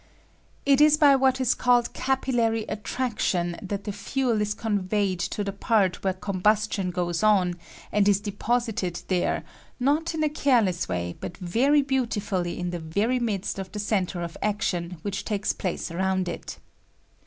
It is by what is called capillary attraction that the fuel is conveyed to the part where combustion goes on, and is deposited there, not in a careless way, but very beauti fully in the very midst of the centre of action, which takes place around it.